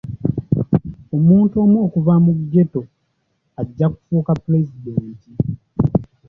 Omuntu omu okuva mu ghetto ajja kufuuka pulezidenti.